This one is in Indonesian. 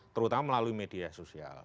terutama melalui media sosial